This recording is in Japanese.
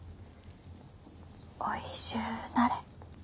おいしゅうなれ。